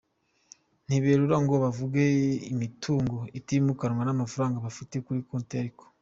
Ntiberura ngo bavuge imitungo itimukanwa n’amafaranga bafite kuri konti ariko:.